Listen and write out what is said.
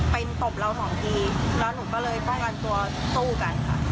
เป็นตบเราสองทีแล้วหนูก็เลยป้องกันตัวสู้กันค่ะ